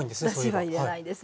だしは入れないです。